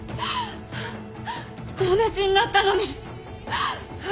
友達になったのに。